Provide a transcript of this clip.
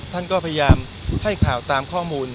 ท่านก็พยายามให้ข่าวตามข้อมูล